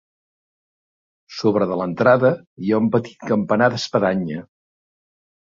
Sobre de l'entrada hi ha un petit campanar d'espadanya.